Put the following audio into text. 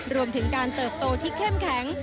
รวมถึงการเติบโตที่เข้มแข็ง